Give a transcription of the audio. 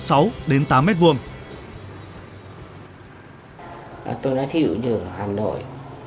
tôi đã thi đổi được ở hà nội